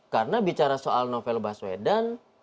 karena bicara soal novel baswedan